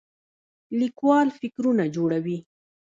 لیکوال فکرونه جوړوي